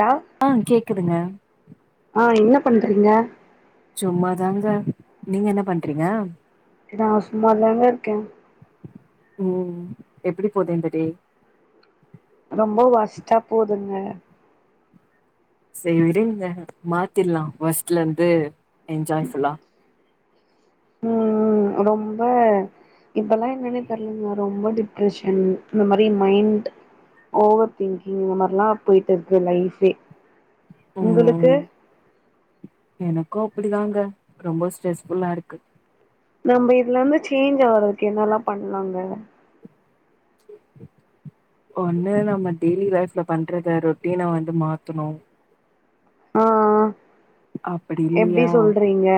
தா ஆ கேக்குதுங்க ஆ என்ன பண்றீங்க சும்மாதாங்க நீங்க என்ன பண்றீங்க நா சும்மாதாங்க இருக்கே ம் எப்டி போது இந்த டே ரொம்ப ஒர்ஸ்ட்டா போதுங்க சேரி விடுங்க மாத்திட்லா ஒர்ஸ்ட்ல இருந்து என்ஜாய் ஃபுல்லா ம் ரொம்ப இப்பல்லா என்னன்னே தெர்லங்க ரொம்ப டிப்ரெஷன் இந்தமாரி மைண்ட் ஓவர் திங்கிங் இந்த மாரிலா போய்ட்ருக்கு லைஃபே உங்களுக்கு ம் எனக்கு அப்டிதாங்க ரொம்ப ஸ்ட்ரெஸ்ஃபுல்லா இருக்கு நம்ம இதுல இருந்து சேஞ்ச் ஆறதுக்கு என்னல்லா பண்லாங்க ஒன்னு நம்ம டெய்லி லைஃப்ல பண்றத ரொட்டீனா வந்து மாத்தணு ஆ அப்டி எப்டி இல்லையா சொல்றீங்க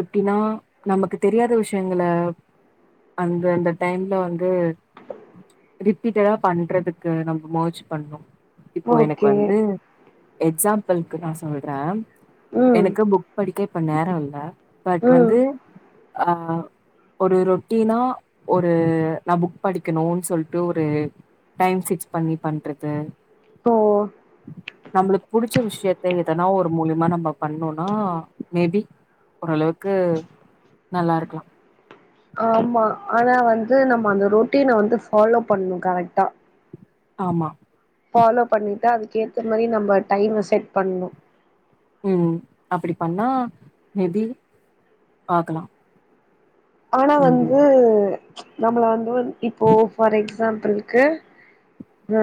எப்டின்னா நமக்கு தெரியாத விஷயங்கள அந்தந்த டைம்ல வந்து ரிப்பீட்டடா பண்றதுக்கு நம்ம மோச்சு பண்ணு இப்போ எனக்கு ஓகே வந்து எக்ஸாம்பிள்க்கு நா சொல்ற ம் எனக்கு புக் படிக்க இப்ப நேரோ இல்ல பட் ம் வந்து ஆ ஒரு ரொட்டீனா ஒரு நா புக் படிக்கணுன் சொல்ட்டு ஒரு டைம் ஃபிக்ஸ் பண்ணி பண்றது ஓ நம்பளுக்கு புடிச்ச விஷயத்த எதனா ஒரு மூலியமா நம்ப பண்ணோனா மேபி ஓரளவுக்கு நல்லா இருக்லா ஆமா ஆனா வந்து நம்ம அந்த ரொட்டீன வந்து ஃபாலோ பண்ணு கரெக்டா ஆமா ஃபாலோ பண்ணிட்டு அதுக்கேத்த மாரி நம்ப டைம செட் பண்ணு ம் அப்படி பண்ணா மேபி பாக்கலா ஆனா ம் வந்து நம்மள வந்த வந் இப்போ ஃபார் எக்ஸாம்பிள் க்கு அ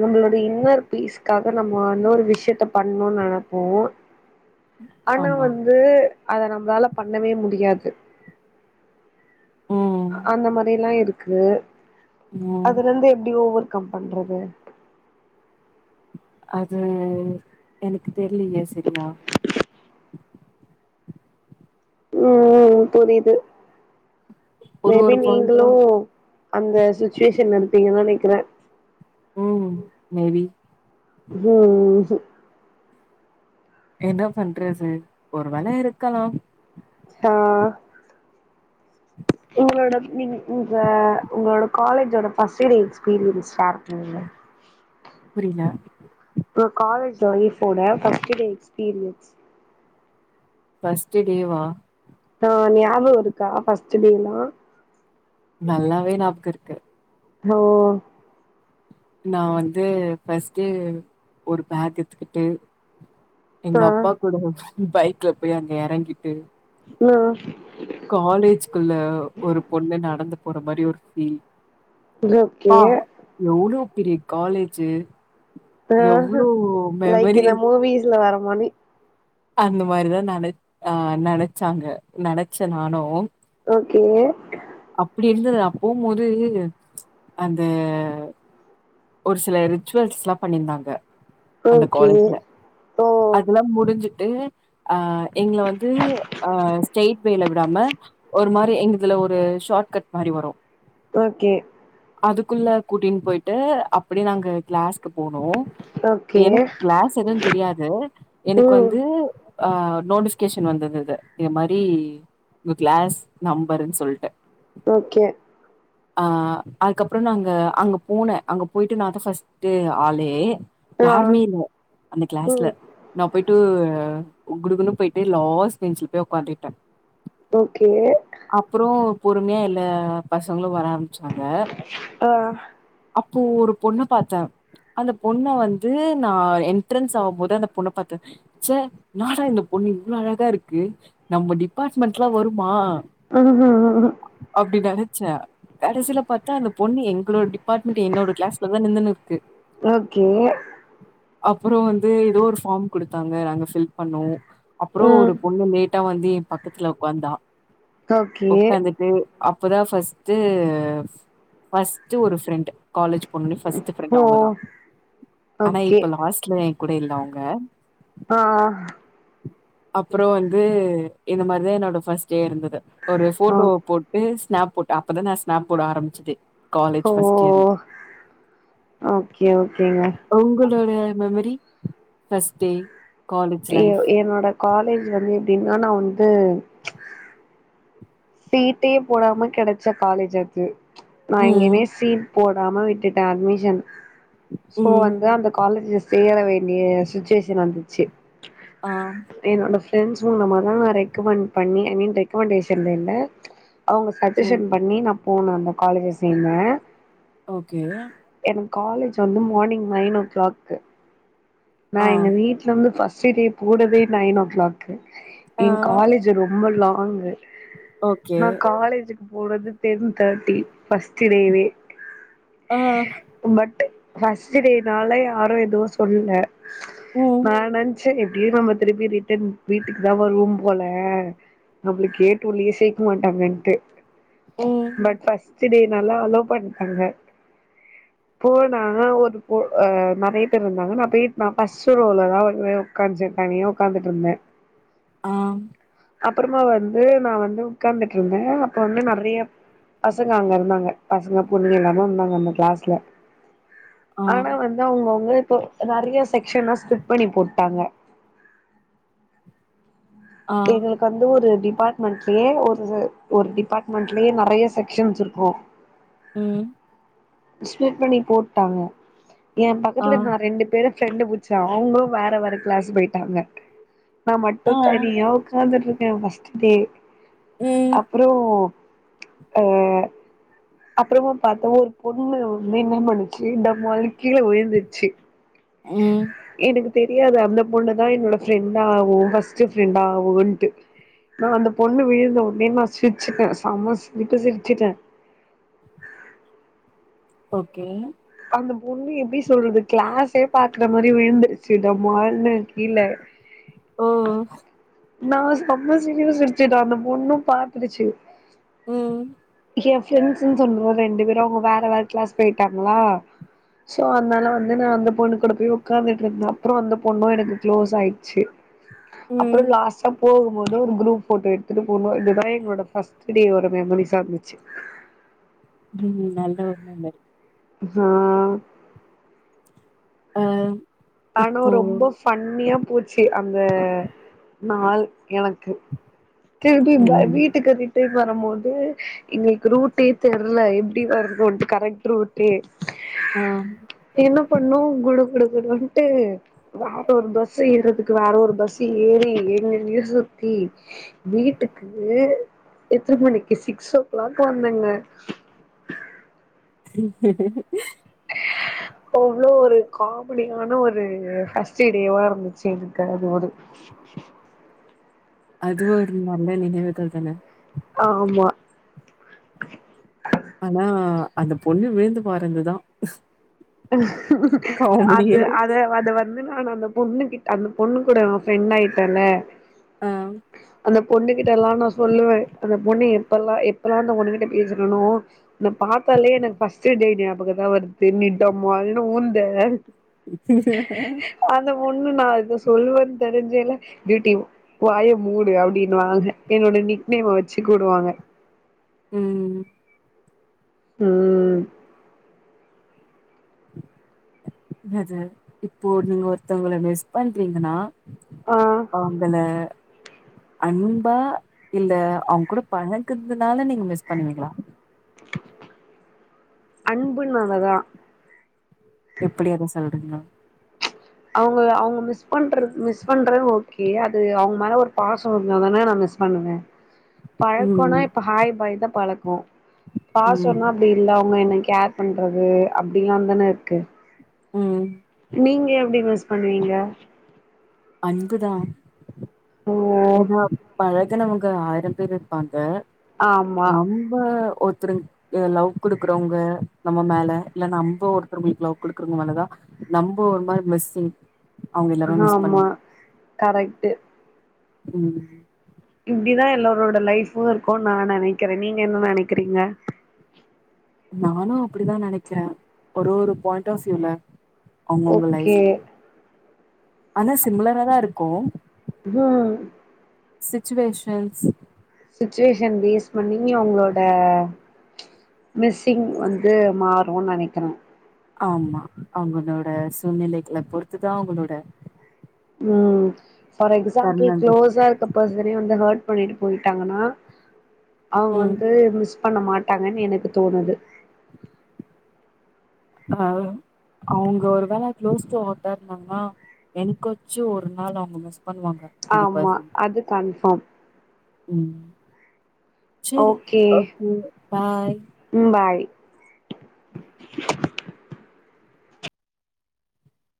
நம்மளோட இன்னர் பீஸ்காக நம்ம இன்னொரு விஷயத்த பண்ணுன் நனைப்போ ஆனா ஆமா வந்து அத நம்பளால பண்ணவே முடியாது ம் அந்த மாரிலா இருக்கு ம் அதுல இருந்து எப்டி ஓவர் கம் பண்றது அது எனக்கு தெர்லயே சரியா ம் ம் புரிது ஒரு மேபி ஒரு நீங்களு பாயிண்ட்டு அந்த சுச்சுவேஷன்ல இருப்பீங்கன் நினைக்கற ம் மேபி ம் ம் ம் என்ன பண்றது ஒரு வேல இருக்கலாம் ஹா உங்களோட நீங் உங்க உங்களோட காலேஜோட ஃபர்ஸ்ட் இயர் எக்ஸ்பீரியன்ஸ் ஷேர் பண்ணுங்க புரில ஒங்க காலஜ் லைஃபோட ஃபஸ்டு டே எக்ஸ்பீரியன்ஸ் ஃபஸ்ட்டுடேவா ஆ ஞாபகோ இருக்கா ஃபர்ஸ்ட்டு டேலா நல்லாவே ஞாபக இருக்கு ஓ நா வந்து ஃபஸ்ட் டே ஒரு பேக எத்துகிட்டு எங்க ஆ அப்பா கூட பைக்ல போய் அங்க எறங்கிட்டு நா காலேஜ்குள்ள ஒரு பொண்ணு நடந்து போற மாரி ஒரு ஃபீல் ஓகே ப்பா! எவ்ளோ பெரிய காலேஜ்ஜு எவ்ளோ மெமரி மூவீஸ்ல வர மாரி அந்த மாரிதா நன ஆ நனச்சாங்க நனச்ச நானு ஓகே அப்படி இருந்தது அப் போம்போது அந்த ஒரு சில ரிச்சுவல்ஸ்லாம் பண்ணியிருந்தாங்க அந்த ஓகே காலேஜுல ஓ அதலா முடிஞ்சுட்டு அ எங்கள வந்து அ ஸ்டைட் வேல விடாம ஒரு மாரி எங்கதுல ஒரு ஷார்ட் கட் மாரி வரு ஓகே அதுகுள்ள கூட்டின் போயிட்டு அப்படே நாங்க கிளாஸ்க்கு போனோ ஓகே எனக்கு கிளாஸ் எது தெரியாது எனக்கு வந் ம் ஆ நோட்டிஃபிகேஷன் வந்துருந்துது இத மாரி உங்க கிளாஸ் நம்பருன் சொல்ட்டு ஓகே ஆ அதுக்கப்றோ நா அங்க அங்க போனே அங்க போயிட்டு நா தா ஃபஸ்ட் ட்டு ஆளே ஆ யாருமே இல்ல அந்த கிளாஸ்ல ம் நா போயி ட்டு குடுகுடுன்னு போயிட்டு லாஸ் பெஞ்ச்ல போய் ஒக்காந்துட்டே ஓகே அப்றோ பொறுமையா எல்ல பசங்களு வர ஆரம்பிச்சாங்க ஆ அப்போ ஒரு பொண்ண பாத்தே அந்த பொண்ண வந்து நா என்ட்ரன்ஸ் ஆவம்போது அந்த பொண்ண பாத்தே ச்ச ன்னாடா இந்த பொண்ணு இவ்ளோ அழகாருக்கு நம்ம டிப்பார்ட்மெண்ட்லா வருமா ஆ ஹ ஆ ஆ அப்டி நெனைச்சே கடைசில பாத்தா அந்த பொண்ணு எங்ளோட டிப் பார்ட்மெண்ட் என்னோட கிளாஸ்ல தா நின்னுனு இருக்கு ஓகே அப்றோ வந்து ஏதோ ஒரு ஃபார்ம் குடுத்தாங்க நாங்க ஃபில் பண்ணோ அப்றோ ஒரு ம் பொண்ணு லேட்டா வந்து ஏ பக்கதுல ஒக்காந்தா ஓகே ஒக்காந்துட் டு அப்பதா ஃபஸ்ட்டு ஃபஸ்ட்டு ஒரு ஃப்ரெண்டு காலேஜ் போனோனே ஃபர்ஸ்ட் ஃபிரெண்ட் ஓ அவங்க தா ஆனா இப் ஓகே ஹாஸ்ல்ல ஏ கூட இல்ல அவங்க ஆ அப்றோ வந்து இந்த மாரிதா என்னோட ஃபஸ்ட் டே இருந்துது ஒரு ஆ ஃபோட்டோவ போட்டு ஸ்னாப் போட்டே அப்பதா நா ஸ்னாப் போட ஆரம்பிச்சது காலேஜ் ஓ ஃபஸ்ட் இயர்ல ஓகே ஓகேங்க உங்களோடைய மெமரி ஃபர்ஸ்ட் டே காலேஜ் ஏ லைஃப் ஏ என்னோட காலேஜ் வந்து எப்டின்னா நா வந்து சீட்டே போடாம கெடச்ச காலேஜ் அது நா ம் எங்கிமே சீட் போடாம விட் டுட அட்மிஷன் சோ ம் வந்து அந்த காலேஜ் சேர வேண்டிய சூச்சுவேஷன் வந்துச்சு ஆ என்னோட ஃப்ரெண்ட்ஸ் மூலமாதா நா ரெக்கமெண்ட் பண்ணி ஐ மீன் ரெக்கமெண்டேஷன்ல இல்ல அவுங்க ம் சஜஷன் பண்ணி நா போனே அந்த காலேஜில சேந்த ஓகே எனக்கு காலேஜ் வந்து மானிங் நைன் ஓ கிளாக்கு நா ஆ எங்க வீட்ல வந்து ஃபஸ்ட்டு டே போனதே நைன் ஓ கிளாக் ஆ ஏ காலேஜ் ஜி ரொம்ப லாங்கு ஓகே நா காலேஜ்க்கு போறது டென் தேட்டி ஃபஸ்ட்டு டேவே ஆ பட்டு ஃபஸ்ட்டு டேனால யாரு எதுவு சொல்ல ம் நா நென் ச்சே எப்டியு நம்ம திருப்பி ரிட்டன் வீட்டுக்கு தா வருவோ போல நம்லுக்கு கேட்டுள்ளயே சேக்க மாட்டாங்கன்ட்டு ம் பட் ஃபஸ்ட்டு டேனால அலோ பண்டாங்க [unintelligible] போனா ஒரு ஓ அ நெறைய பேர் இருந்தாங்க நா போய் நா ஃபஸ்ட் ரோல தா நே கொஞ்சோ தனியா உக்காந்துட்ருந்தே [unintelligible] அப்பறமா வந்து நா வந்து உக்காந்துட்ருந்தே அப்ப வந்து நெறைய பசங்க அங்க இருந்தாங்க பசங்க பொண்ணுங்க எல்லாமே இருந்தாங்க அந்த க்ளாஸ்ல ஆ ஆனா வந்து அவ்ங்கவுங்லே இப்போ நெறையா செக்ஸனா ஸ்பிள்ட் பண்ணி போட்டாங்க ஆ எங்களுக்கு வந்து ஒரு டிபாட்மெண்ட்லயே ஒரு ஒரு ஒரு டிபாட்மெண்ட்லயே நெறையா செக்சன்ஸ் இருக்கு ம் ஸ்பிளிட் பண்ணி போட்டாங்க எ பக்கத்துல ஆ இருக்கவங்க ரெண்டு பேரு ஃப்ரெண்டு புடிச்சா அவுங்களு வேற வேற க்ளாஸ் போயிட்டாங்க நா ஆ மட்டு தனியா உக்காந்துட்ருக்கே ஃபஸ்ட்டு டே ம் அப்றோ ஆ அப்புறமூம் பாத்தே ஒரு பொண்ணு வந்து என்ன பண்ணுச்சு டமால் கீழ விழுந்துருச்சி ம் எனக்கு தெரியாது அந்த பொண்ணதா என்னோட ஃப்ரெண்டாவு ஃபரஸ்ட்டு ஃப்ரெண்டாவுன்ட்டு நா அந்த பொண்ணு விழுந்த உட்னே நா சிரிச்சிட்டே சம சிரிப்பு சிரிச்சிட்டே ஓகே அந்த பொண்ணு எப்டி சொல்றது க்ளாஸே பாக்குற மாரி விழுந்துருச்சி டாமால்னு கீழ ஓ நா செம்ம சிரிப்பு சிரிச்சிட்டே அந்த பொண்ணு பாத்துருச்சு ம் எ ஃப்ரெண்ட்ஸ்ன் சொன்னோ ரெண்டு பேரு அவுங்க வேற வேற க்ளாஸ் போயிட்டாங்ளா சோ அதனால வந்து நா அந்த பொண்ணு கூட போய் உக்காந்துட்ருந்தே அப்றோ அந்த பொண்ணு எனக்கு க்ளோஸ் ஆயிட்ச்சி அப்றோ ம் லாஸ்ட்டா போ ம்போது ஒரு குரூப் போட்டோ எடுத்துட்டு போனோ இதுதா எங்ளோட ஃப்ஸ்ட் டேவோட மெமரிஸ்சா இருந்துச்சு ம் நல்ல ஒரு மெமரி ஆ அ ஆனா ரொம்ப ஃபன்னியா போச்சி அந்த நாள் எனக்கு திருப்பி பாய் ம் வீட்டுக் ரி ட்டன் வரும்போது எங்களுக்கு ரூட்டே தெர்ல எப்டி வர்னூட் கரெட் ரூட்லியே ஆம் என்ன பண்ணோ குடு குடு குடுன்ட்டு வேற ஒரு பஸ் ஏறதுக்கு வேற ஒரு பஸ் ஏறி எங்கெங்கயோ சுத்தி வீட்டுக்கு எத்தன மணிக்கு சிக்ஸ் ஓ க்ளாக் வந்தோங்க ம் அவ்ளோ ஒரு காமெடியான ஒரு ஃபஸ்ட்டு டேவா இருந்துச்சு எனக்கு அது ஒரு அதுவு ஒரு நல்ல நினைவுகள் தான ஆமா ஆனா அந்த பொண்ணு விழுந்து பாருதுந்து தா அது அது வந்து இன்னுமே ஆனா அந்த பொண்ணு கிட்ட அந்த பொண்ணு கூட நா ஃப்ரெண்ட் ஆய்ட்டல்ல ஆ அந்த பொண்ணு கிட்டல்லா நா சொல்லுவே அந்த பொண்ணு எப்பெல்லா எப்பெல்லா அந்த பொண்ணு கிட்ட பேசறனோ உன்ன பாத்தாலே எனக்கு ஃபர்ஸ்ட் டே ஞாபகதா வருது நீ டமாள்னு ஊந்த அந்த ஒண்ணு நா இத சொல்லுவேன்னு தெரிஞ்சல தீட்டிவ் வாய மூடு அப்டின்னு வாங்க என்னோட நிக்னேமை வெச்சு கூப்டுவாங்க ம் ம் அது இப்போ நீங்க ஒருத்தவங்கள மிஸ் பண்றீங்கன்னா ஆ அவங்கள அன்பா இல்ல அவங்க கூட பழங்கற்துனால நீங்க மிஸ் பண்ணுவீங்களா அன்பு நாளதா எப்படி அதா சொல்றீங்க அவங்க அவங்க மிஸ் பண்றது மிஸ் பண்றது ஓகே அது அவங்க மேலே ஒரு பாசோ இருந்த தானே நா மிஸ் பண்ணுவே பழக்கோனா ம் இப்ப ஹாய் பாய் தா பழக்கோ ம் பாசோனா அப்டி இல்லை அவங்க என்ன கேர் பண்றது அப்டிலா தானே இருக்கு ம் நீங்க எப்டி மிஸ் பண்ணுவீங்க அன்புதா ஓ ஏனா பழகுனவங்க ஆயிரம் பேர் இருப்பாங்க ஆமா நம்ப ஒருத்துருங்க லவ் குடுக்குறவங்க நம்ம மேல இல்லன்னா நம்ம ஒருத்தர்ங்களுக்கு லவ் குடுக்குறவங்க மேலதா நம்போ ஒரு மாரி மிஸ்ஸிங் அவங்க எல்லாமே மிஸ் ஆமா பண்ணுவோ கரெக்டு ம் இப்டிதா எல்லாரோட லைஃப்பு இருக்குன் நா நெனைக்கிறே நீங்க என்ன நெனைக்கறீங்க நானு அப்டிதா நெனைக்றே ஒரு ஒரு பாய்ண்ட் ஆஃப் வியூல அவ்ங்கவ்ங்க லைஃப் ஓகே ஆனா சிம்ளராதா இருக்கு ம் சிச்சுவேஷன்ஸ் சிச்வேஷன் பேஸ் பண்ணி அவுங்ளோட மிஸ்ஸிங் வந்து மாறு நெனைக்றே ஆம்மா அவுங்ளோட சூழ்நிலைகள பொறுத்துதா அவுங்களோட ம் ஃபார் எக்ஸாம்புள் தருணங்கள் க்ளோசாருக்க பார்சனே வந்து ஹார்ட் பண்ணீட்டு பொய்ட்டாங்கனா அவங்க ம் வந்து மிஸ் பண்ண மாட்டாங்கன் எனக்கு தோணுது அ அவங்க ஒரு வேல க்ளோஸ் டு ஹாட்ட இருந்தாங்கனா என்க் ஆச்சு ஒரு நாள் அவங்க மிஸ் பண்ணுவாங்க அந்த ஆம்மா பர்சன் அது கன்ஃபார்ம் ம் செரி ஓகே பாய் ம் பாய்